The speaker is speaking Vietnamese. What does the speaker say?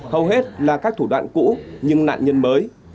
hầu hết là các thủ đoạn cũ nhưng nạn nhân mới